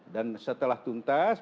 dan setelah tuntas